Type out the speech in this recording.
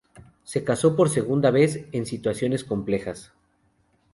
Se casó por segunda vez, en situaciones complejas.